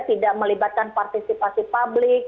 tidak melibatkan partisipasi publik